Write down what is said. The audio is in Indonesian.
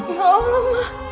ya allah ma